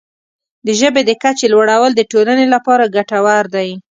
د ژبې د کچې لوړول د ټولنې لپاره ګټور دی.